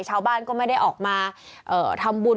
ชาวบ้านก็ไม่ได้ออกมาทำบุญ